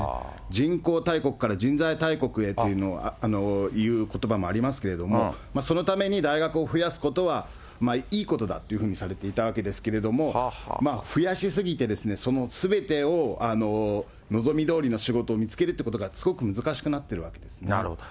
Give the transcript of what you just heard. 人口大国から人材大国へということばもありますけれども、そのために大学を増やすことは、いいことだというふうにされていたわけですけれども、増やし過ぎて、そのすべてを望みどおりの仕事を見つけるということが、すごく難なるほど。